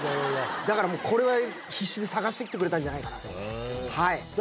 だからもうこれは必死で探してきてくれたんじゃないかなとさあ